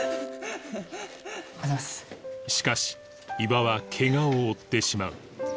しかし伊庭は怪我を負ってしまう